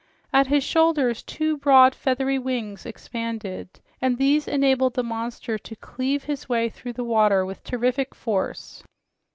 At his shoulders two broad, feathery wings expanded, and these enabled the monster to cleave his way through the water with terrific force.